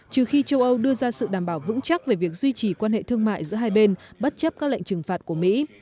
trừ khi châu âu đưa ra sự đảm bảo vững chắc về việc duy trì quan hệ thương mại giữa hai bên bất chấp các lệnh trừng phạt của mỹ